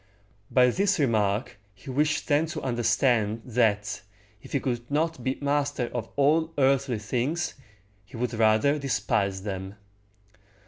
By this remark he wished them to understand, that, if he could not be master of all earthly things, he would rather despise them.